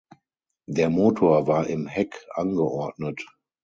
Der Motor war im Heck angeordnet.